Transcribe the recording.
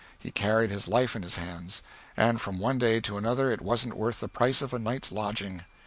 He carried his life in his hands, and from one day to another it wasn't worth the price of a night's lodging.